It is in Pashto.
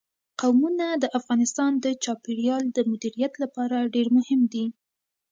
قومونه د افغانستان د چاپیریال د مدیریت لپاره ډېر مهم دي.